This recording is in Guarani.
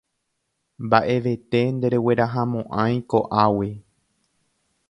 Mbaʼevete ndereguerahamoʼãi koʼágui.